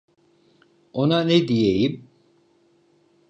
Ona ne diyeyim?